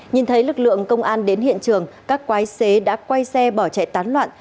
nhìn thấy lực lượng công an đến hiện trường các quái xế đã quay xe bỏ chạy tán loạn